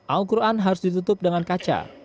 al quran harus ditutup dengan kaca